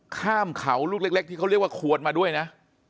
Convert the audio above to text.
ข้ามเขาลูกเล็กที่เขาเรียกว่าควรมาด้วยนะ